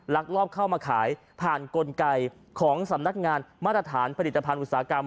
ลักลอบเข้ามาขายผ่านกลไกของสำนักงานมาตรฐานผลิตภัณฑ์อุตสาหกรรม